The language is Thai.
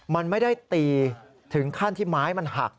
มันไม่ได้ตีถึงขั้นที่ไม้มันหัก